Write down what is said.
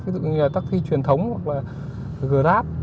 ví dụ như là tắc thi truyền thống hoặc là grab